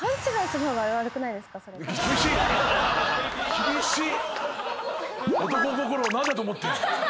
厳しい。